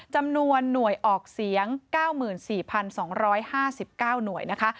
จำนวนหน่วยออกเสียง๙๔๒๕๙หน่วยนะคะ